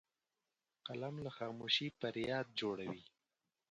قلم له خاموشۍ فریاد جوړوي